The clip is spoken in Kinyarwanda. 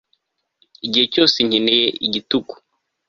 Igihe cyose nkeneye igitugu